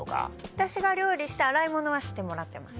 私が料理して洗い物はしてもらってます。